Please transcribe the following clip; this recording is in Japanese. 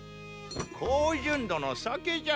高純度の酒じゃ。